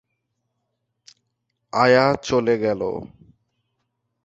আয়া চলে গেল।